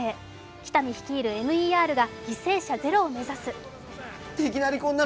喜多見率いるＭＥＲが犠牲者ゼロを目指す。